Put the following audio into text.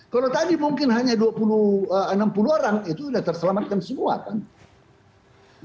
kalau tadi mungkin hanya enam puluh orang itu sudah terselamatkan semua kan